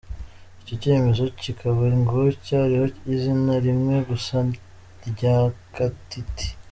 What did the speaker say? Icyo cyemezo kikaba ngo cyariho izina rimwe gusa rya Kateete.